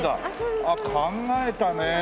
考えたねえ。